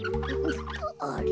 あれ？